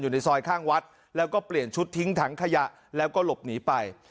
ในซอยข้างวัดแล้วก็เปลี่ยนชุดทิ้งถังขยะแล้วก็หลบหนีไป